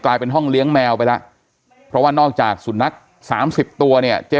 เป็นห้องเลี้ยงแมวไปแล้วเพราะว่านอกจากสุนัขสามสิบตัวเนี่ย